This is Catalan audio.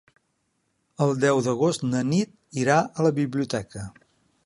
El deu d'agost na Nit irà a la biblioteca.